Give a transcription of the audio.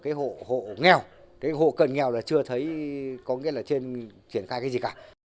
cái hộ nghèo cái hộ cận nghèo là chưa thấy có nghĩa là trên triển khai cái gì cả